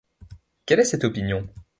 Quelle est cette opinion ?